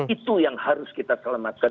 itu yang harus kita selamatkan